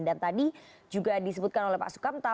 dan tadi juga disebutkan oleh pak sukamta